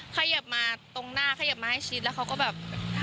ขยับมาตรงหน้าขยับมาให้ชิดแล้วเขาก็แบบ